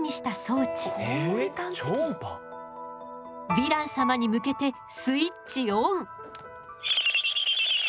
ヴィラン様に向けてスイッチオン。